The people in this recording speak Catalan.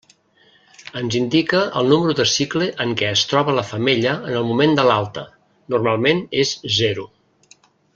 Ens indica el número de cicle en què es troba la femella en el moment de l'alta, normalment és zero.